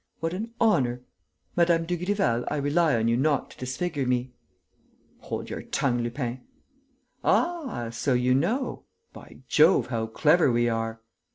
What an honour!... Mme. Dugrival, I rely on you not to disfigure me." "Hold your tongue, Lupin." "Ah, so you know?... By Jove, how clever we are!"